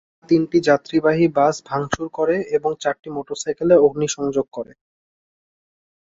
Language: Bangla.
তারা তিনটি যাত্রীবাহী বাস ভাঙচুর করে এবং চারটি মোটরসাইকেলে অগ্নিসংযোগ করে।